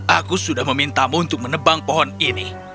aku sudah memintamu untuk menebang pohon ini